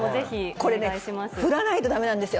これ、振らないとだめなんですよ。